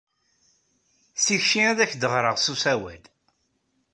Ticki ad ak-d-ɣreɣ s usawal.